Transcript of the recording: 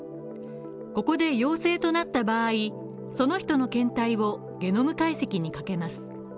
ここで陽性となった場合、その人の検体をゲノム解析にかけます